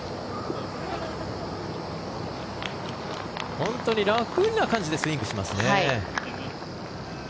本当に楽な感じでスイングしますね。